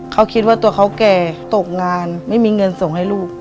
เขาคิดว่าตัวเขาแก่ตกงานไม่มีเงินส่งให้ลูก